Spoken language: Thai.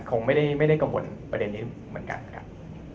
คงไม่ได้กังวลประเด็นนี้เหมือนกันครับ